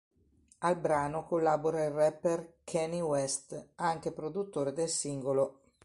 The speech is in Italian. Al brano collabora il rapper Kanye West, anche produttore del singolo.